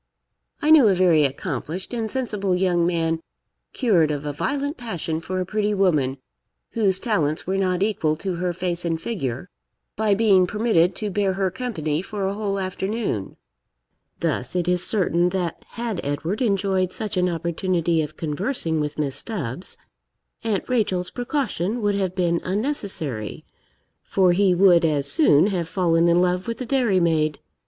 I knew a very accomplished and sensible young man cured of a violent passion for a pretty woman, whose talents were not equal to her face and figure, by being permitted to bear her company for a whole afternoon. Thus, it is certain, that had Edward enjoyed such an opportunity of conversing with Miss Stubbs, Aunt Rachel's precaution would have been unnecessary, for he would as soon have fallen in love with the dairy maid.